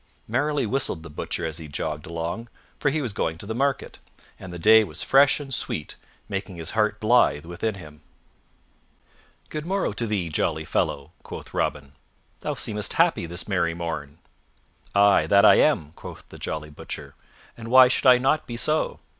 Merrily whistled the Butcher as he jogged along, for he was going to the market, and the day was fresh and sweet, making his heart blithe within him. "Good morrow to thee, jolly fellow," quoth Robin, "thou seemest happy this merry morn." "Ay, that am I," quoth the jolly Butcher, "and why should I not be so?